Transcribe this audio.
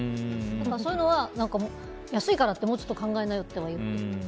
そういうのは、安いからってもうちょっと考えなよって思う。